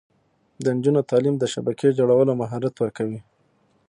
د نجونو تعلیم د شبکې جوړولو مهارت ورکوي.